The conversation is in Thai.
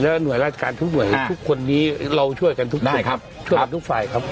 หน่วยราชการทุกหน่วยทุกคนนี้เราช่วยกันทุกด้านครับช่วยกันทุกฝ่ายครับ